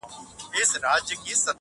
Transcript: حوري او ښایسته غلمان ګوره چي لا څه کیږي-